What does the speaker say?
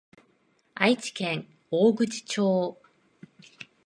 愛知県大口町